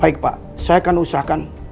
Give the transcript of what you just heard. baik pak saya akan usahakan